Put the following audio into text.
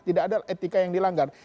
tidak ada etika yang dilanggar